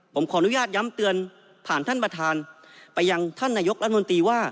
ผมขออนุญาตย้ำเตือนผ่านท่านประธานไปยังท่านนายกรัฐมนตรีว่า